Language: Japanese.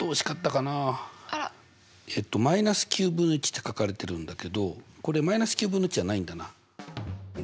−って書かれてるんだけどこれ−じゃないんだな。